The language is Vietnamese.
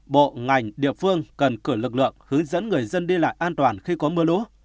bộ ngành địa phương cần cử lực lượng hướng dẫn người dân đi lại an toàn khi có mưa lũ